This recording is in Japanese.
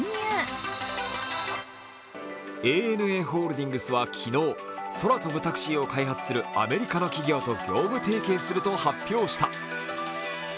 ＡＮＡホールディングスは昨日、空飛ぶタクシーを開発するアメリカの企業と業務提携すると発表した。